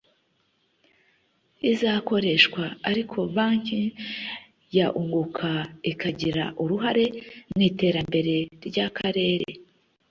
izakoreshwa ariko Banki ya Unguka ikagira uruhare mu iterambere ry’akarere